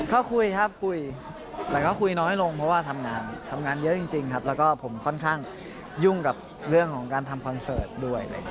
ก็คุยครับคุยแต่ก็คุยน้อยลงเพราะว่าทำงานทำงานเยอะจริงครับแล้วก็ผมค่อนข้างยุ่งกับเรื่องของการทำคอนเสิร์ตด้วย